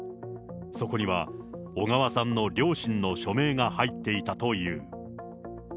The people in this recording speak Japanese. そこには、小川さんの両親の署名が入っていたという。